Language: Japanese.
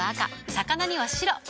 魚には白。